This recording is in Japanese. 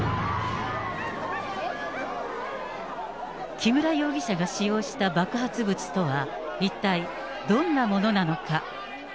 木村容疑者が使用した爆発物とは、一体どんなものなのか。